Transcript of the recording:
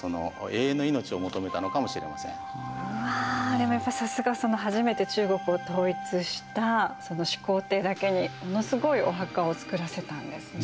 でもやっぱりさすが初めて中国を統一した始皇帝だけにものすごいお墓を造らせたんですね。